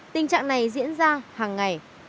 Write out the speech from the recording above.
tình trạng này diễn ra hàng ngày